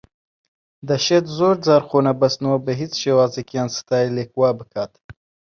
دەشێت زۆر جار خۆنەبەستنەوە بە هیچ شێوازێک یان ستایلێک وا بکات